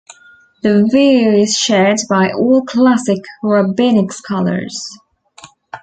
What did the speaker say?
This view is shared by all classic rabbinic scholars.